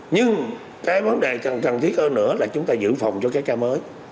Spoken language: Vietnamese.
nhưng cái vấn đề cần thiết hơn nữa là chúng ta giữ phòng cho cái ca mới